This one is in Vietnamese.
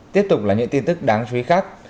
tiếp tục là những tin tức đáng chú ý khác